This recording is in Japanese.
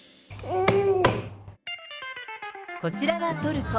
こちらはトルコ。